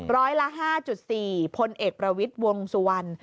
ร้อยละ๕๔พลเอกประวิทย์วงสุวรรณ